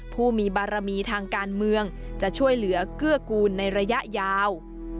ผู้มีบารมีทางการเมืองจะช่วยเหลือเกื้อกูลในระยะยาว